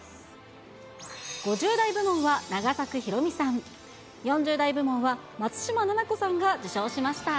５０代部門は永作博美さん、４０代部門は松嶋菜々子さんが受賞しました。